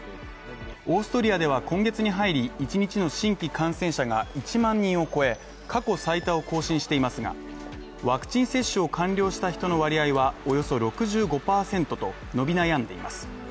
オーストリアでは今月に入り、１日の新規感染者が１万人を超え、過去最多を更新していますが、ワクチン接種を完了した人の割合はおよそ６５％と伸び悩んでいます。